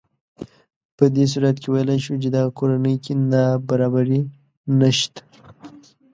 په دې صورت کې ویلی شو چې دغه کورنۍ کې نابرابري نهشته